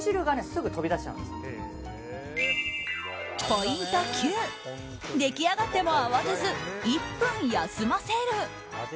ポイント９、出来上がっても慌てず１分休ませる。